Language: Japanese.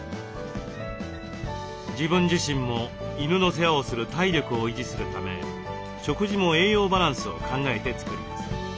自分自身も犬の世話をする体力を維持するため食事も栄養バランスを考えて作ります。